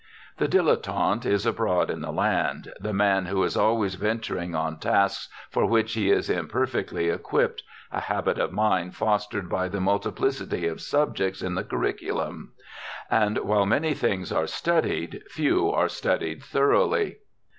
The dilettante is abroad in the land, the man who is always venturing on tasks for which he is imperfectly equipped, a habit of mind fostered by the multiplicity of subjects in the curriculum: and while many things are studied, few are studied thoroughly.